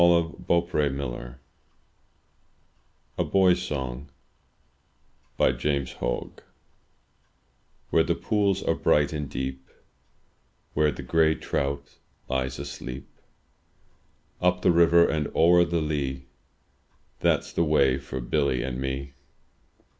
104 THROUGH FAIRY HALLS A BOY'S SONG James Hogg Where the pools are bright and deep, Where the gray trout Ues asleep, Up the river and o'er the lea, That's the way for Billy and me.